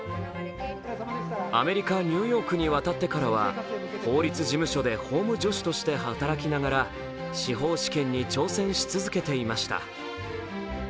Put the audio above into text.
アメリカ・ニューヨークに渡ってからは法律事務所で法務助手として働きながら司法試験に挑戦し続けていました。